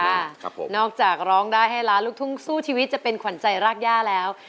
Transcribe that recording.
ครับผมนอกจากร้องได้ให้ล้านลูกทุ่งสู้ชีวิตจะเป็นขวัญใจรากย่าแล้ว